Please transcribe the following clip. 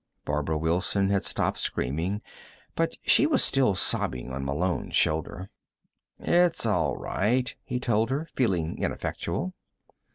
Barbara Wilson had stopped screaming, but she was still sobbing on Malone's shoulder. "It's all right," he told her, feeling ineffectual.